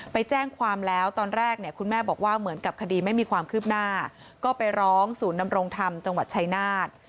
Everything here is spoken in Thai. ไปแจ้งความแล้วตอนแรกเนี่ยคุณแม่บอกว่าเหมือนกับคดีไม่มีความคืบหน้าก็ไปร้องศูนย์ดำรงธรรมจังหวัดชายนาฏ